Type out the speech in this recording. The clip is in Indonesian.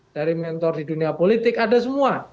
dari mentor di dunia politik ada semua